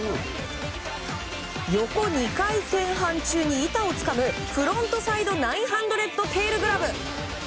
横２回転半中に板をつかむフロントサイド９００テールグラブ！